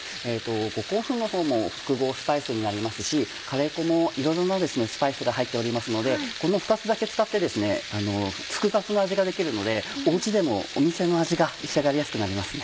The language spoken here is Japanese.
五香粉のほうも複合スパイスになりますしカレー粉もいろいろなスパイスが入っておりますのでこの２つだけ使って複雑な味ができるのでお家でもお店の味が召し上がりやすくなりますね。